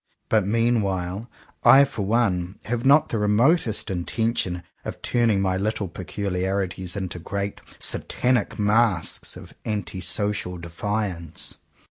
But meanwhile, I for one, have not the re motest intention of turning my little peculi arities into great Satanic masks of anti social defiance.